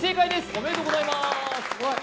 おめでとうございますすごい！